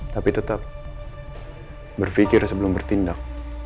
tapi tetap berpikir sebelum bertindak